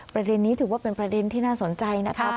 ประเด็นนี้ถือว่าเป็นประเด็นที่น่าสนใจนะครับ